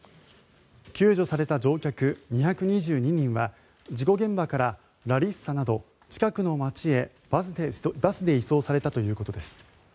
救助された乗客２２２人は事故現場からラリッサなど近くの街へバスで移送されたということです。